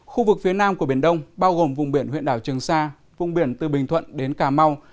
khu vực phía nam của biển đông bao gồm vùng biển huyện đảo trường sa vùng biển từ bình thuận đến cà mau